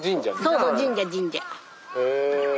そうそう神社神社。